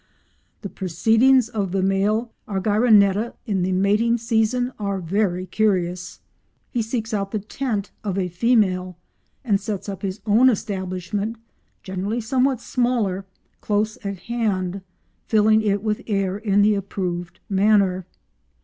The proceedings of the male Argyroneta in the mating season are very curious. He seeks out the tent of a female and sets up his own establishment—generally somewhat smaller—close at hand, filling it with air in the approved manner.